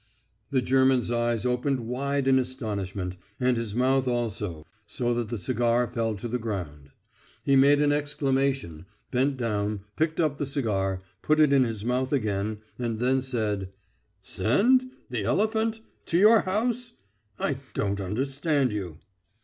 The German's eyes opened wide in astonishment, and his mouth also, so that the cigar fell to the ground. He made an exclamation, bent down, picked up the cigar, put it in his mouth again, and then said: "Send? The elephant? To your house? I don't understand you."